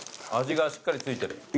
味がしっかり付いてる。